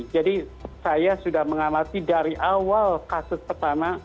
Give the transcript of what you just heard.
jadi saya sudah mengamati dari awal kasus pertama